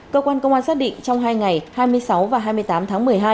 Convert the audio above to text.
cơ quan công an xác định trong hai ngày hai mươi sáu và hai mươi tám tháng một mươi hai